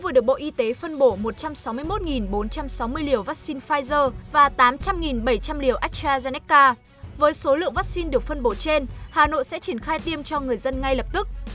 vừa được bộ y tế phân bổ một trăm sáu mươi một bốn trăm sáu mươi liều vaccine pfizer và tám trăm linh bảy trăm linh liều astrazeneca với số lượng vaccine được phân bổ trên hà nội sẽ triển khai tiêm cho người dân ngay lập tức